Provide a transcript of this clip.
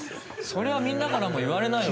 そりゃあみんなからも言われないわ。